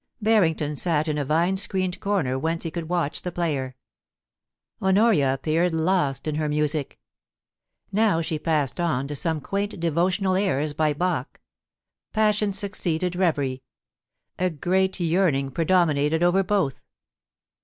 Barrington sat in a vine screened corner whence he could watch the player. Honoria appeared lost in her music ... Now she passed on to some quaint devotional airs by MUSIC IN THE VERANDA. 187 Bach. ... Passion succeeded reverie; a great yearning predominated over both.